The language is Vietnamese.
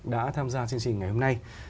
đã tham gia chương trình ngày hôm nay